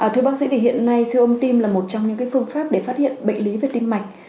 thưa bác sĩ thì hiện nay siêu âm tim là một trong những phương pháp để phát hiện bệnh lý về tim mạch